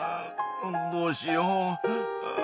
どうしよう。